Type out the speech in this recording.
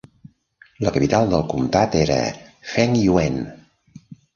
La capital del comtat era Fengyuan.